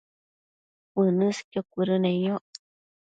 uënësqio cuëdëneyoc